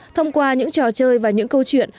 thông qua những trò chơi và những câu chuyện